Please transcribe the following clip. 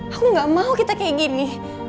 aku gak mau kita kayak gini